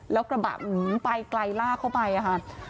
แล้วกระบะไปไกลลากเข้าไปค่ะ